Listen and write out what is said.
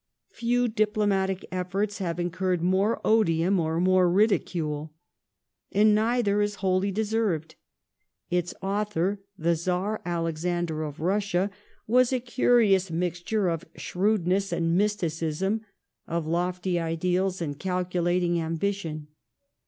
Few diplomatic efforts have in curred more odium or more ridicule. And neither is wholly deserved. Its author, the Czar Alexander of Russia, was a curious 44 ENGLAND AND EUROPE [1815 mixture of shi ewdness and mysticism, of lofty ideals and calculating ambition.